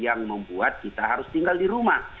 yang membuat kita harus tinggal di rumah